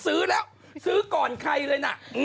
ซื้อแล้วซื้อก่อนใครเลยนะ